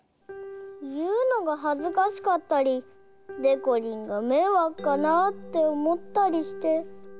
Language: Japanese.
いうのがはずかしかったりでこりんがめいわくかなっておもったりして。